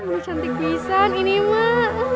kamu cantik pisan ini mah